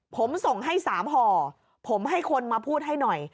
ผมส่งให้๓ห่อผมให้คนมาพูดให้หน่อย